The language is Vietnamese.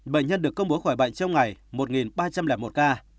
bệnh nhân được công bố khỏi bệnh trong ngày một ba trăm linh một ca